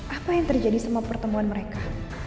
apa yang terjadi sama pertemuan mereka